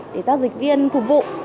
để giao dịch viên phục vụ